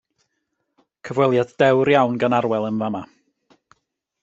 Cyfweliad dewr iawn gan Arwel yn fa'ma.